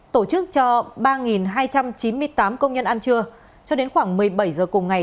tổ chức cho ba hai trăm chín mươi tám công nhân ăn trưa cho đến khoảng một mươi bảy giờ cùng ngày